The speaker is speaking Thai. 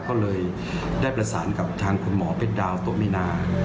ก็เลยได้ประสานกับทางคุณหมอเพชรดาวโตมินา